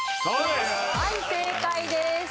はい正解です！